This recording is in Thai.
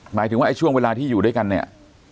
หมายถึงว่าไอ้ช่วงเวลาที่อยู่ด้วยกันเนี่ย